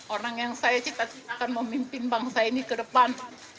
orang yang saya cita citakan memimpin bangsa ini ke depan